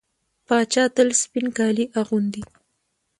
پاچا تل سپين کالي اغوندي .